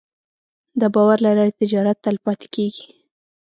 د باور له لارې تجارت تلپاتې کېږي.